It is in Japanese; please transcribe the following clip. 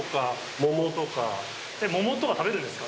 桃とか食べるんですか。